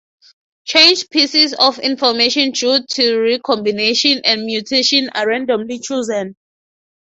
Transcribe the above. Changed pieces of information due to recombination and mutation are randomly chosen.